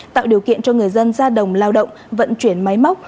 tạo điều kiện cho người dân ra đồng lao động vận chuyển máy móc